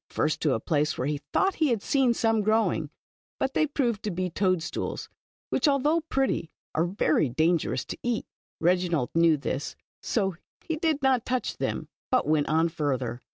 First to a place where he thought he had seen some growing, but they proved to be toad stools, which, although pretty, are very dan gerous to eat. Reginald knew this, so he did not touch them, but went on farther.